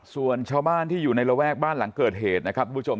ส่วนชาวบ้านที่อยู่ในระแวกบ้านหลังเกิดเหตุนะครับคุณผู้ชม